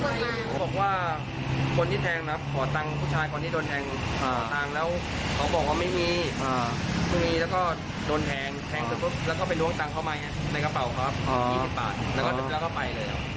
แล้วก็เรียบร้อยเอาไปเลย